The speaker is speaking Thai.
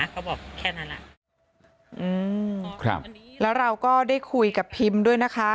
เขาบอกแค่นั้นอ่ะอืมครับแล้วเราก็ได้คุยกับพิมพ์ด้วยนะคะ